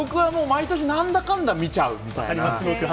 僕はもう、毎年、なんだかんだ見ちゃうみたいな。